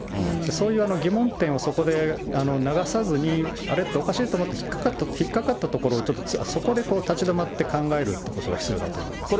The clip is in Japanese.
そういう疑問点をそこで流さずに、あれ？っておかしいと思った、引っ掛かったところをちょっと、そこで立ち止まって考えるということが必要だと思います。